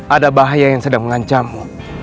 ada bahaya yang sedang mengancammu